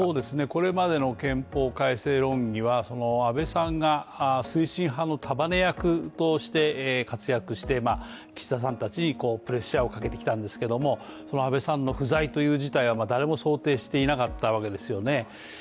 これまでの憲法改正論議は、安倍さんが推進派の束ね役として活躍をして岸田さんたちにプレッシャーをかけてきたんですけれども、安倍さんの不在という事態は誰も想定していなかったわけですよね。